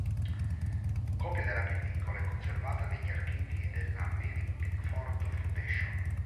Copia della pellicola è conservata negli archivi della Mary Pickford Foundation.